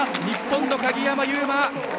日本の鍵山優真！